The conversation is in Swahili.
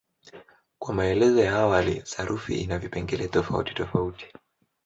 Kama maelezo ya awali, sarufi ina vipengele tofautitofauti.